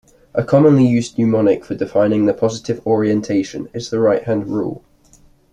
A commonly used mnemonic for defining the positive orientation is the "right hand rule".